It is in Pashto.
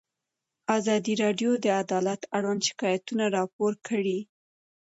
ازادي راډیو د عدالت اړوند شکایتونه راپور کړي.